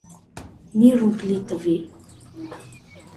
- Մի ռուբլի տվի: